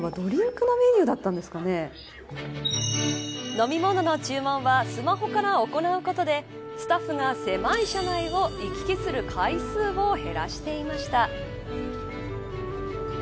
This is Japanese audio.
飲み物の注文はスマホから行うことでスタッフが狭い車内を行き来する回数を減らしていました。